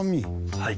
はい。